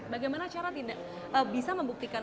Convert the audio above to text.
bagaimana cara bisa membuktikan